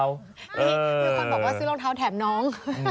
นี่มีคนบอกว่าซื้อรองเท้าแถมน้อง